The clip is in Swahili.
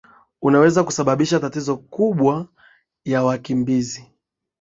unaweza kushababisha tatizo kubwa ya wakimbizi